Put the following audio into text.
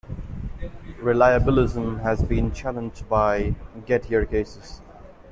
Reliabilism has been challenged by Gettier cases.